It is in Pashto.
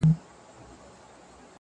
• دومره لوړ اسمان ته څوک نه وه ختلي ,